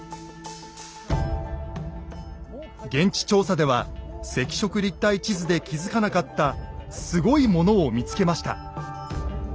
現地調査では赤色立体地図で気付かなかったすごいものを見つけました。